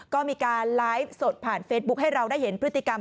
ก็มีการไลฟ์สดผ่านเฟซบุ๊คให้เราได้เห็นพฤติกรรม